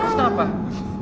mimpi lah mimpi lah